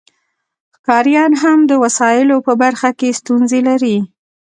ښکاریان هم د وسایلو په برخه کې ستونزې لري